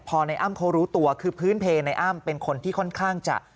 พอในอ้ำเขารู้ตัวคือพื้นเพลในอ้ำเป็นคนที่ค่อนข้างจะ